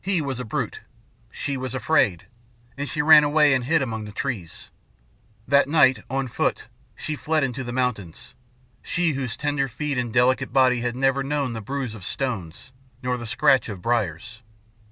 He was a brute. She was afraid, and she ran away and hid among the trees. That night, on foot, she fled into the mountains she, whose tender feet and delicate body had never known the bruise of stones nor the scratch of briars.